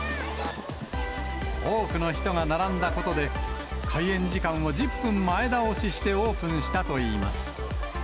多くの人が並んだことで、開園時間を１０分前倒ししてオープンしたといいます。